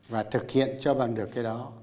và thực hiện cho bằng được cái đó